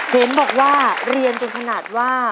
เห็นบอกว่าเรียนจนขนาดว่า